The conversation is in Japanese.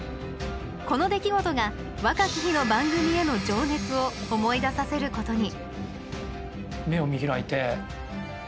この出来事が若き日の番組への情熱を思い出させることに。